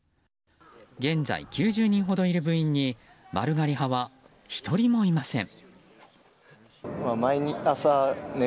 現在、９０人ほどいる部員に丸刈り派は１人もいません。